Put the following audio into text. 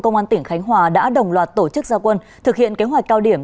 công an tỉnh khánh hòa đã đồng loạt tổ chức gia quân thực hiện kế hoạch cao điểm